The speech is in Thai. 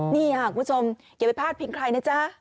นี่ค่ะคุณผู้ชมอย่าไปพาดพิงใครนะจ๊ะ